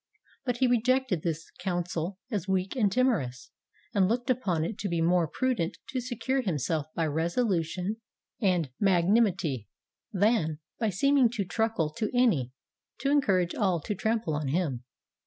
But he rejected this coun sel as weak and timorous, and looked upon it to be more prudent to secure himself by resolution and magna nimity, than, by seeming to truckle to any, to encourage all to trample on him.